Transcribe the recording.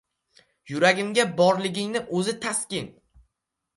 Yuragimga borligingni o‘zi taskin –